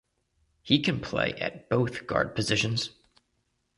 He can play at both guard positions.